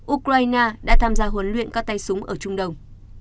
ukraine đã tham gia huấn luyện các tay súng ở trung đông